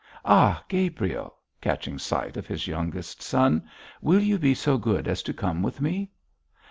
Ah, Gabriel,' catching sight of his youngest son, 'will you be so good as to come with me?'